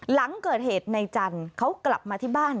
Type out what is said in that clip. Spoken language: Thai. หลังเกิดเหตุในจันทร์เขากลับมาที่บ้าน